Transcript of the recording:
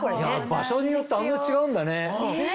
場所によってあんな違うんだね。